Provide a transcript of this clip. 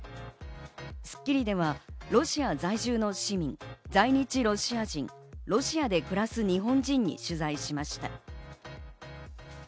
『スッキリ』ではロシア在住の市民、在日ロシア人、ロシアで暮らす日本人に取材しました。